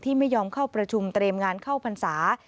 ไม่ยอมเข้าประชุมเตรียมงานเข้าพรรษา